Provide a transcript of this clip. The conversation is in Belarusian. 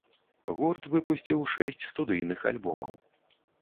Гурт выпусціў шэсць студыйных альбомаў.